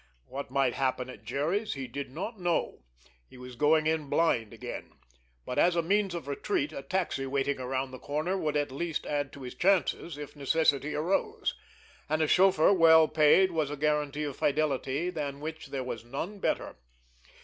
What might happen at Jerry's he did not know—he was going it blind again. But as a means of retreat, a taxi waiting around the corner would at least add to his chances, if necessity arose. And a chauffeur well paid was a guarantee of fidelity than which there was none better.